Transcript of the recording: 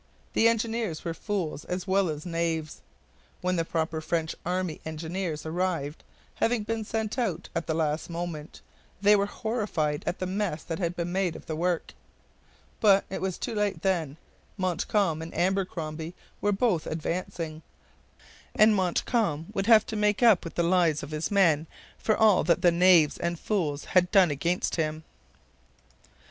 The engineers were fools as well as knaves. When the proper French army engineers arrived, having been sent out at the last moment, they were horrified at the mess that had been made of the work. But it was too late then. Montcalm and Abercromby were both advancing; and Montcalm would have to make up with the lives of his men for all that the knaves and fools had done against him.